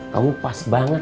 kamu pas banget